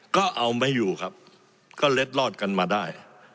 ก็เอาไม่อยู่ครับก็เล็ดรอดกันมาได้